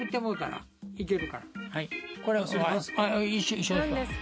一緒ですわ。